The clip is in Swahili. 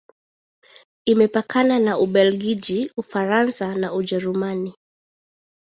Imepakana na Ubelgiji, Ufaransa na Ujerumani.